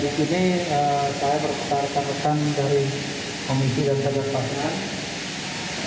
di jalan langsung untuk menciptakan prosesi datang di kembusiannya